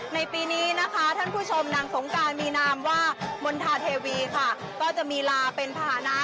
ในปีนี้นะคะท่านผู้ชมนางสงการมีนามว่ามณฑาเทวีค่ะก็จะมีลาเป็นภาษณะ